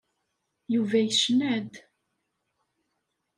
Yuba yecna-d.